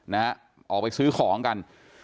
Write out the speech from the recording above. นะฮะออกไปซื้อของกัน